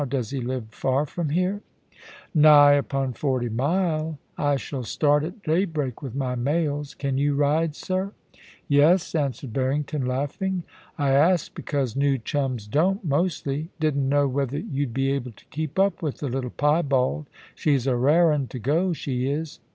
Does he live far from here ?'* Nigh upon forty mile. I shall start at daybreak with my mails. Can you ride, sir ?Yes,' answered Barrington, laughing. * I asked because new chums don't, mostly. Didn't know whether you'd be able to keep up with the little piebald. She's a rare un to go, she is.